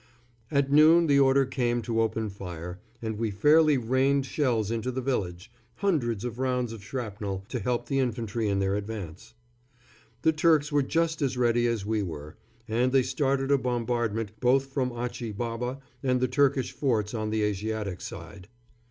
At noon the order came to open fire, and we fairly rained shells into the village hundreds of rounds of shrapnel to help the infantry in their advance. The Turks were just as ready as we were, and they started a bombardment both from Achi Baba and the Turkish forts on the Asiatic side.